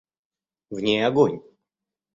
В ней огонь.